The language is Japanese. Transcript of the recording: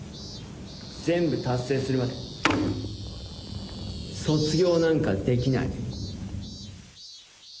全部達成するまで卒業なんかできない。